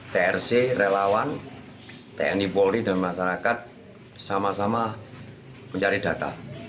trc relawan tni polri dan masyarakat sama sama mencari data